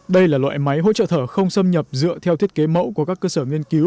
đây là loại máy hỗ trợ thở không xâm nhập dựa theo thiết kế mẫu của các cơ sở nghiên cứu